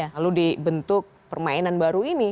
lalu dibentuk permainan baru ini